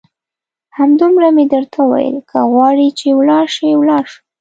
همدومره مې درته وویل، که غواړې چې ولاړ شې ولاړ شه.